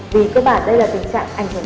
vì cơ bản đây là tình trạng ảnh hưởng